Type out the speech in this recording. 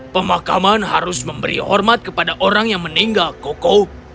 pemakaman harus memberi hormat kepada orang yang meninggal koko